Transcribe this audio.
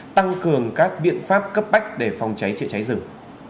tăng cường các biện pháp cấp bách để phòng cháy chữa cháy rừng